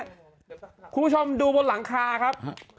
คุณผู้ชมดูบนหลังคาครับ